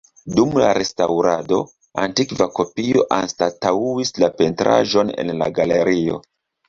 Dum la restaŭrado, antikva kopio anstataŭis la pentraĵon en la galerio.